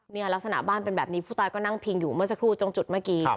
ลักษณะบ้านเป็นแบบนี้ผู้ตายก็นั่งพิงอยู่เมื่อสักครู่ตรงจุดเมื่อกี้